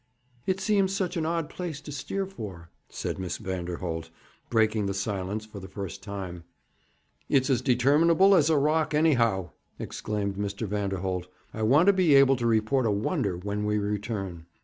'It seems such an odd place to steer for,' said Miss Vanderholt, breaking the silence for the first time. 'It's as determinable as a rock, anyhow!' exclaimed Mr. Vanderholt. 'I want to be able to report a wonder when we return.'